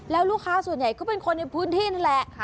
แล้วลูกค้าส่วนใหญ่ก็เป็นคนในพื้นที่นั่นแหละ